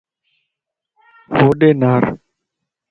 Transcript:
ھوڏي نارَ